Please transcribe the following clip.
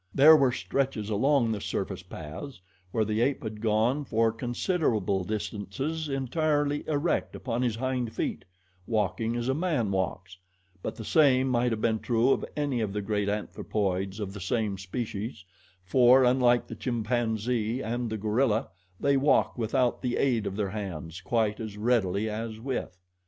There were stretches along the surface paths where the ape had gone for considerable distances entirely erect upon his hind feet walking as a man walks; but the same might have been true of any of the great anthropoids of the same species, for, unlike the chimpanzee and the gorilla, they walk without the aid of their hands quite as readily as with.